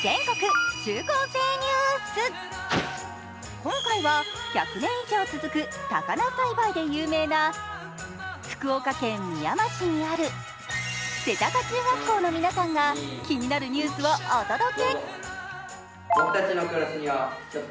今回は１００年以上続く高菜栽培で有名な福岡県みやま市の瀬高中学校の皆さんが気になるニュースをお届け。